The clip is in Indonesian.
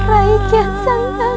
raiki yang santang